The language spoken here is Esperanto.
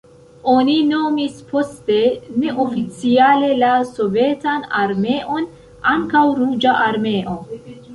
Oni nomis poste neoficiale la Sovetan Armeon ankaŭ Ruĝa Armeo.